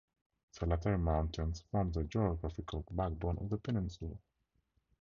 The Lattari Mountains form the geographical backbone of the peninsula.